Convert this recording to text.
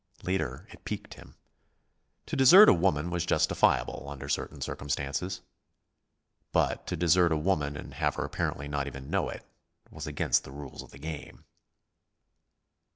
Later it piqued him. To desert a woman was justifiable, under certain circumstances. But to desert a woman, and have her apparently not even know it, was against the rules of the game.